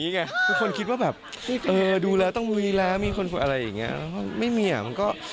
ไหมค่ะพุชีแต่คำถามแรกพูดน้ำผมาภาพ